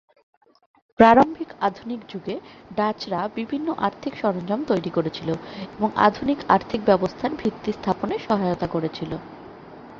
প্রারম্ভিক আধুনিক যুগে, ডাচরা বিভিন্ন আর্থিক সরঞ্জাম তৈরি করেছিল এবং আধুনিক আর্থিক ব্যবস্থার ভিত্তি স্থাপনে সহায়তা করেছিল।